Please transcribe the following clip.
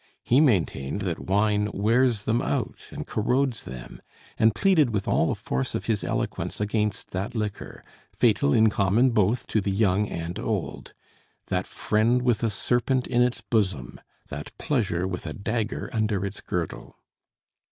He maintained that wine wears them out and corrodes them; and pleaded with all the force of his eloquence against that liquor, fatal in common both to the young and old that friend with a serpent in its bosom that pleasure with a dagger under its girdle.